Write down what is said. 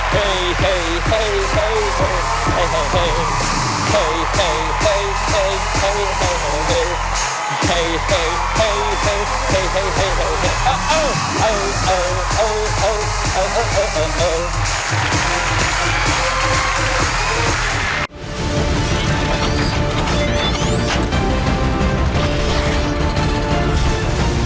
โปรดติดตามตอนต่อไป